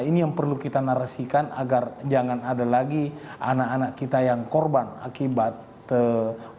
ini yang perlu kita narasikan agar jangan ada lagi anak anak kita yang korban akibat covid